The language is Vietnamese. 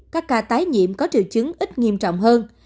các ca tái nhiễm có triệu chứng ít nghiêm trọng hơn